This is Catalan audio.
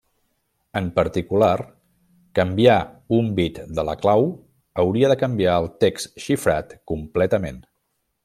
En particular, canviar un bit de la clau hauria de canviar el text xifrat completament.